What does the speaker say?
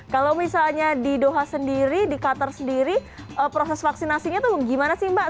kalau misalnya di doha sendiri di qatar sendiri proses vaksinasinya tuh gimana sih mbak